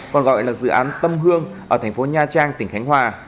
còn gọi là dự án tâm hương ở tp nha trang tỉnh khánh hòa